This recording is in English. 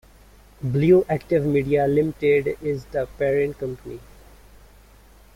Blue Active Media Limited is the parent company.